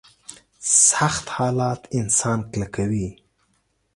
سخت حالات انسان کلکوي.